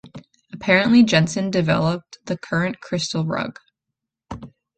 Apparently Jenson developed the current Crystal rug.